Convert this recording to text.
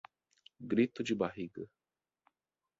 Grito de barriga